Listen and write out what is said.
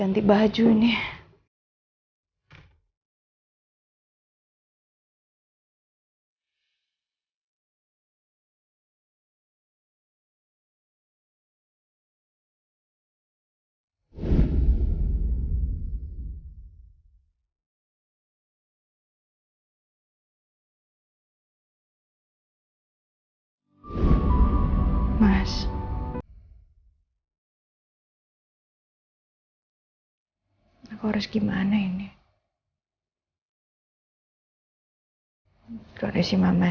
tuhan harus ganti bajunya